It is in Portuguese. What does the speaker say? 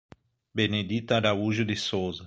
Benedita Araújo de Sousa